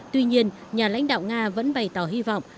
tuy nhiên nhà lãnh đạo nga vẫn bày tỏ hy vọng